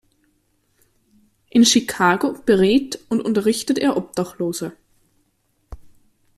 In Chicago berät und unterrichtet er Obdachlose.